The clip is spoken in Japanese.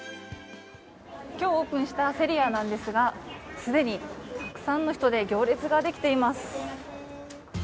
今日オープンしたＳｅｒｉａなんですが既にたくさんの人で行列ができています。